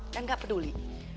dan gak peduli